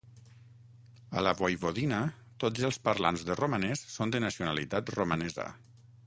A la Voivodina, tots els parlants de romanès són de nacionalitat romanesa.